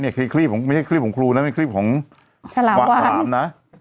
เนี่ยคลีบคลีบของไม่ใช่คลีบของครูนะไว้คลีบของวางหากลำนะ